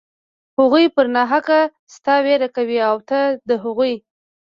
هغوى پر ناحقه ستا وير کوي او ته د هغوى.